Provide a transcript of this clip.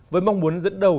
với mong muốn dẫn đầu